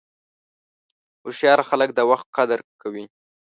هوښیار خلک د وخت قدر کوي.